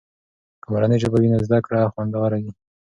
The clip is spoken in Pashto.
که مورنۍ ژبه وي نو زده کړه خوندور وي.